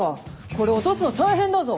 これ落とすの大変だぞ。